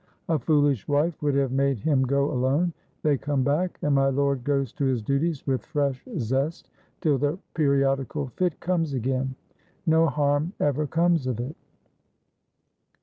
A foolish wife would have made him go alone. They come back, and my lord goes to his duties with fresh zest till the periodical fit comes again. No harm ever comes of it.